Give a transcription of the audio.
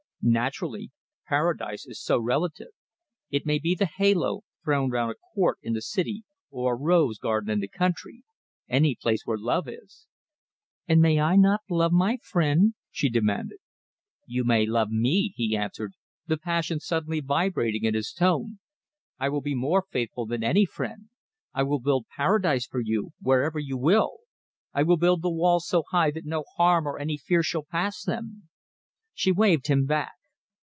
"Naturally! Paradise is so relative. It may be the halo thrown round a court in the city or a rose garden in the country, any place where love is!" "And may I not love my friend!" she demanded. "You may love me," he answered, the passion suddenly vibrating in his tone. "I will be more faithful than any friend. I will build Paradise for you wherever you will! I will build the walls so high that no harm or any fear shall pass them." She waved him back.